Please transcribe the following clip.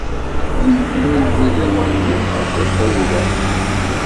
Ini i yimidiwen-nnem ɣef Tatoeba.